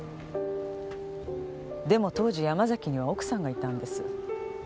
でも当時山崎には奥さんがいたんです。